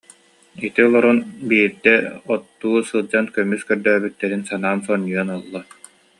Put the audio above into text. Ити олорон биирдэ оттуу сылдьан көмүс көрдөөбүттэрин санаан сонньуйан ылла